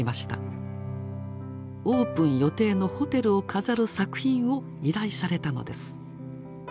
オープン予定のホテルを飾る作品を依頼されたのです。